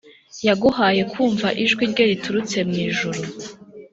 yaguhaye kumva ijwi rye riturutse mu ijuru